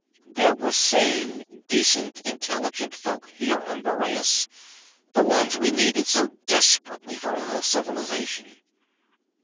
There were sane, decent, intelligent folk here on Boreas, the ones we needed so desperately for all civilization.